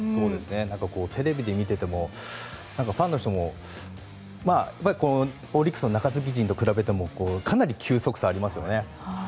何か、テレビで見ていてもファンの人もオリックスの中継ぎ陣と比べてもかなり球速差がありますね。